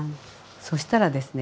そしたらですね